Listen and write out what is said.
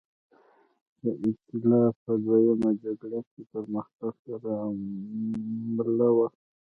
د اېتلاف په دویمه جګړه کې پرمختګ سره مله وه.